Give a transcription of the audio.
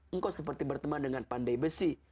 engkau seperti berteman dengan pandai besi